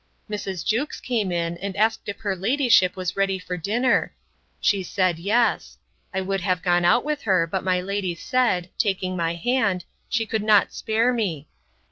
Mrs. Jewkes came in, and asked if her ladyship was ready for dinner? She said, Yes. I would have gone out with her but my lady said, taking my hand, she could not spare me.